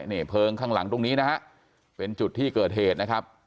นี่เพลิงข้างหลังตรงนี้นะฮะเป็นจุดที่เกิดเหตุนะครับ